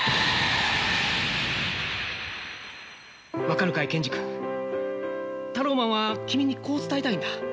分かるかい健二君タローマンは君にこう伝えたいんだ。